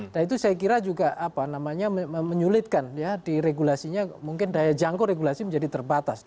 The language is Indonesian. dan itu saya kira juga apa namanya menyulitkan ya di regulasinya mungkin daya jangkau regulasi menjadi terbatas